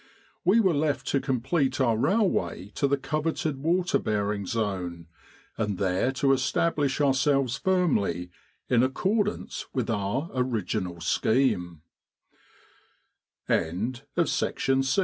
We were left to complete our railway to the coveted water bearing zone and there to establish ourselves firmly in accordance with our orig